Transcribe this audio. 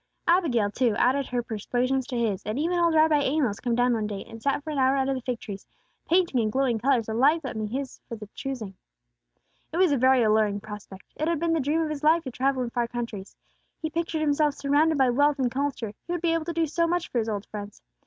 Abigail, too, added her persuasions to his; and even old Rabbi Amos came down one day, and sat for an hour under the fig trees, painting in glowing colors the life that might be his for the choosing. It was a very alluring prospect; it had been the dream of his life to travel in far countries. He pictured himself surrounded by wealth and culture; he would be able to do so much for his old friends.